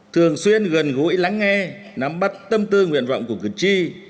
thường xuyên gần gũi lắng nghe nắm bắt tâm tư nguyện vọng của cử tri